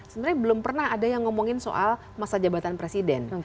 sebenarnya belum pernah ada yang ngomongin soal masa jabatan presiden